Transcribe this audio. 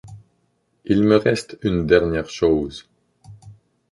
Il me reste une dernière chose...